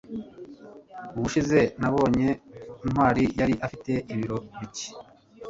ubushize nabonye ntwali yari afite ibiro bike